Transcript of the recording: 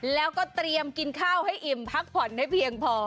แล้วก็เตรียมกินข้าวให้อิ่มพักผ่อนให้เพียงพอ